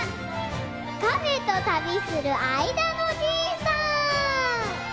カメとたびするあいだのじいさん！